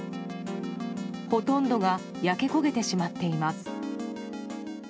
ほとんどが焼け焦げてしまっています。